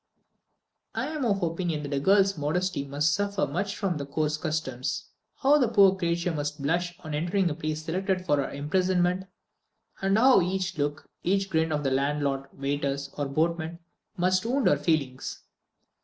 I am of opinion that a girl's modesty must suffer much from these coarse customs. How the poor creature must blush on entering the place selected for her imprisonment; and how each look, each grin of the landlord, waiters, or boatmen, must wound her feelings!